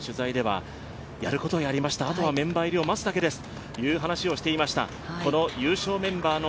１０日前の取材では、やることはやりました、あとはメンバー入りを待つだけですという話をしていました。